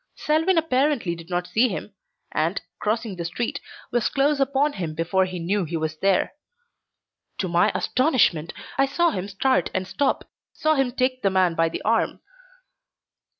Selwyn apparently did not see him, and, crossing the street, was close upon him before he knew he was there. To my astonishment I saw him start and stop, saw him take the man by the arm.